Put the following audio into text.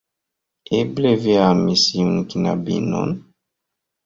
Eble vi amis iun knabinon?